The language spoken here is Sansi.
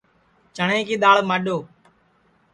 چٹؔیں کی دؔاݪ مانٚڈؔو